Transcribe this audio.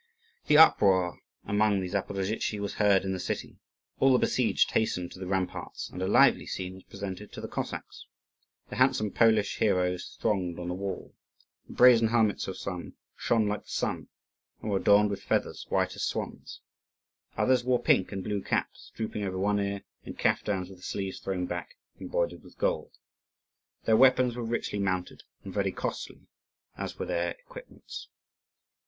The uproar among the Zaporozhtzi was heard in the city. All the besieged hastened to the ramparts, and a lively scene was presented to the Cossacks. The handsome Polish heroes thronged on the wall. The brazen helmets of some shone like the sun, and were adorned with feathers white as swans. Others wore pink and blue caps, drooping over one ear, and caftans with the sleeves thrown back, embroidered with gold. Their weapons were richly mounted and very costly, as were their equipments.